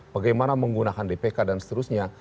bagaimana menggunakan dpk dan seterusnya